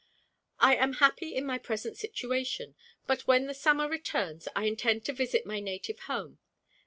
I am happy in my present situation; but when the summer returns, I intend to visit my native home.